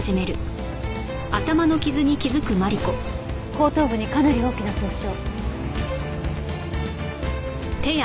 後頭部にかなり大きな創傷。